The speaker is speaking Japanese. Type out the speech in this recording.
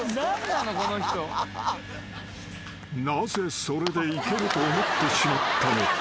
［なぜそれでいけると思ってしまったのか？］